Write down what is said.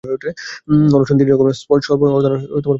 অনশন তিন রকম স্বল্পানশন, অর্ধানশন ও পূর্ণানশন।